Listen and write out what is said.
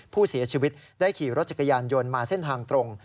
ผู้เสียชีวิตได้ขี่รถจักรยานยนต์มาเส้นทางตรง